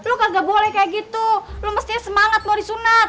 lu kagak boleh kaya gitu lu mestinya semangat mau disunat